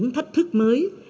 những thách thức mới